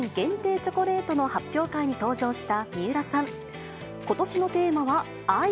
チョコレートの発表会に登場した三浦さん。